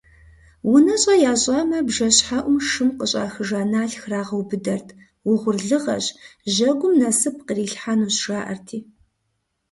УнэщӀэ ящӀамэ, бжэщхьэӀум шым къыщӀахыжа нал храгъэубыдэрт, угъурлыгъэщ, жьэгум насып кърилъхьэнущ жаӀэрти.